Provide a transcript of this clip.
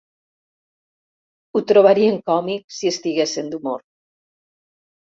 Ho trobarien còmic si estiguessin d'humor.